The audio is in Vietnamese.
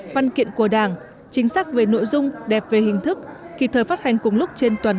văn kiện của đảng chính xác về nội dung đẹp về hình thức kịp thời phát hành cùng lúc trên toàn